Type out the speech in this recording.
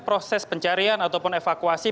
proses pencarian ataupun evakuasi